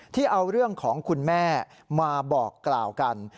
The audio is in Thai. ที่เอาเรื่องของคุณแม่มาบอกกล่าวกัน